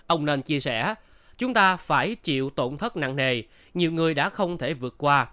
ông nên chia sẻ chúng ta phải chịu tổn thất nặng nề nhiều người đã không thể vượt qua